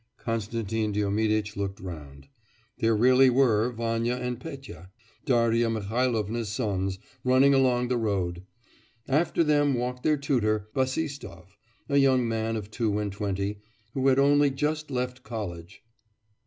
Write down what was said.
Konstantin Diomiditch looked round. There really were Vanya and Petya, Darya Mihailovna's sons, running along the road; after them walked their tutor, Bassistoff, a young man of two and twenty, who had only just left college.